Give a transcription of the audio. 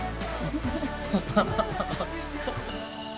ハハハハハ。